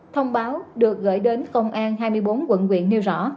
thông báo được gửi đến công an hai mươi bốn quận quyện nêu rõ